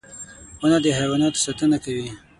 • ونه د حیواناتو ساتنه کوي.